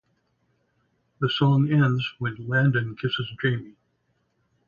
The song ends when Landon kisses Jamie.